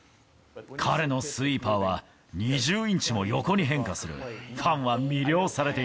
彼のスイーパーは２０インチも横に変化する。